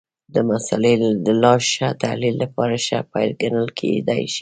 د مسألې د لا ښه تحلیل لپاره ښه پیل ګڼل کېدای شي.